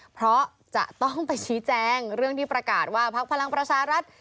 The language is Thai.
เพราะจะต้องไปชี้แจงเรื่องที่ประกาศว่าพักพลังประชารัฐ